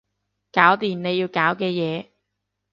搞掂你要搞嘅嘢